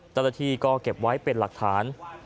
แต่ละทีก็เก็บไว้เป็นหลักฐาน